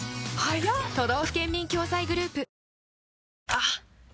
あっ！